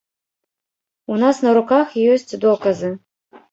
У нас на руках ёсць доказы.